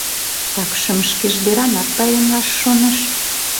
Такшым шкеж деранак пайремлаш шоныш.